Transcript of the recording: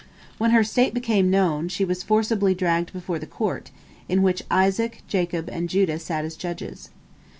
When her state became known, she was forcibly dragged before the court, in which Isaac, Jacob, and Judah sat as judges.